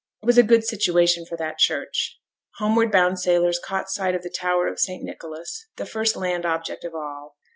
It was a good situation for that church. Homeward bound sailors caught sight of the tower of St Nicholas, the first land object of all.